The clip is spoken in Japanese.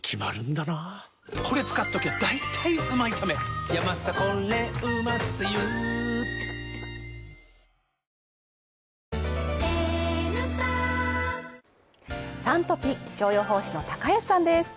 オールインワン「Ｓｕｎトピ」気象予報士の高安さんです。